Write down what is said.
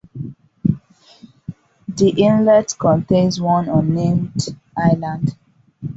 The inlet contains one unnamed island.